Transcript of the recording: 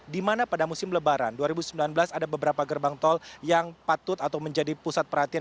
di mana pada musim lebaran dua ribu sembilan belas ada beberapa gerbang tol yang patut atau menjadi pusat perhatian